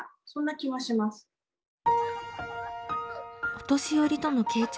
お年寄りとの傾聴